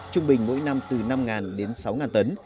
trung bình mỗi năm từ năm đến sáu tấn